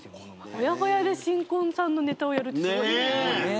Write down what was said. ほやほやで新婚さんのネタをやるってすごいですね。